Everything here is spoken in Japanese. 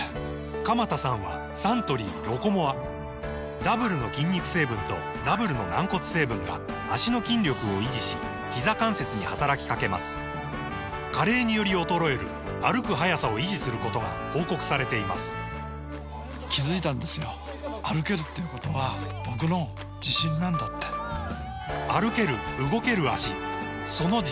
鎌田さんはサントリー「ロコモア」ダブルの筋肉成分とダブルの軟骨成分が脚の筋力を維持しひざ関節に働きかけます加齢により衰える歩く速さを維持することが報告されています歩ける動ける脚その自信に筋肉成分と軟骨成分